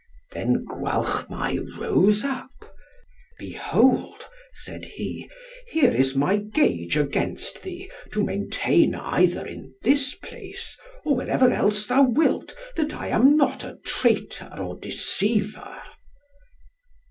Then Gwalchmai rose up. "Behold," said he, "here is my gage against thee, to maintain either in this place, or wherever else thou wilt, that I am not a traitor or deceiver."